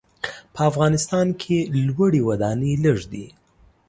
په افغانستان کې لوړې ودانۍ لږ دي.